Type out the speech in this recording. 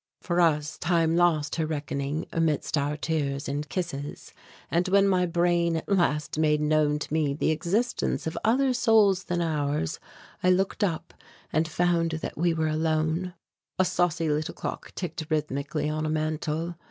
For us, time lost her reckoning amidst our tears and kisses, and when my brain at last made known to me the existence of other souls than ours, I looked up and found that we were alone. A saucy little clock ticked rhythmically on a mantel.